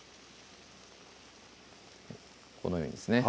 このようにですね